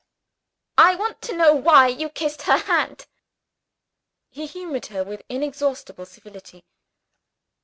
I want to know why you kissed her hand." He humored her with inexhaustible servility.